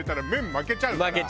負けちゃうね。